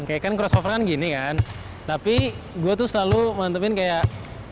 kayaknya kan crossover kan gini kan tapi gue tuh selalu mantepin kayak